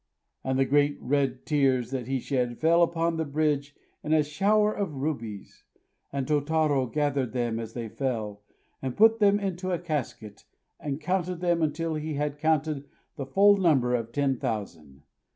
And the great red tears that he shed fell upon the bridge in a shower of rubies; and Tôtarô gathered them as they fell, and put them into a casket, and counted them until he had counted the full number of ten thousand.